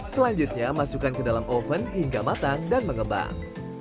selanjutnya masukkan ke dalam oven hingga matang dan mengembang